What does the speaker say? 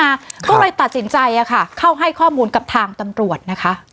ก็เลยตัดสินใจอ่ะค่ะเข้าให้ข้อมูลกับทางตำรวจนะคะ